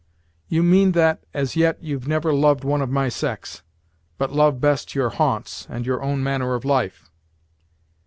"You mean that, as yet, you've never loved one of my sex, but love best your haunts, and your own manner of life."